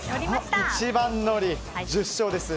一番乗り。１０勝です。